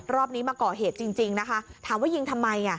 รอบนี้มาก่อเหตุจริงนะคะถามว่ายิงทำไม